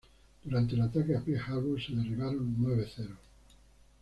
Durante el ataque a Pearl Harbor, se derribaron nueve "Zeros".